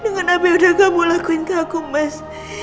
dengan apa yang udah kamu lakuin ke aku mas